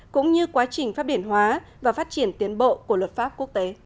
cũng như quá trình pháp biển hóa và phát triển tiến bộ của luật pháp quốc tế